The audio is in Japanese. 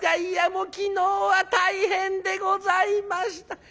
いやもう昨日は大変でございました。